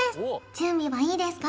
準備はいいですか？